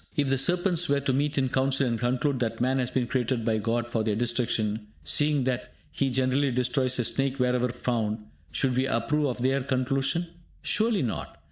If the serpents were to meet in council and conclude that man has been created by God for their destruction, seeing that he generally destroys a snake wherever found, should we approve of their conclusion? Surely not.